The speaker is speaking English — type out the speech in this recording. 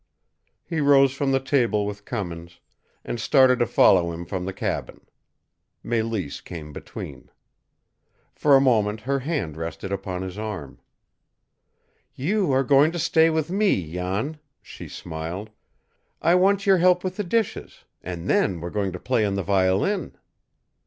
He rose from the table with Cummins, and started to follow him from the cabin. Mélisse came between. For a moment her hand rested upon his arm. "You are going to stay with me, Jan," she smiled. "I want your help with the dishes, and then we're going to play on the violin."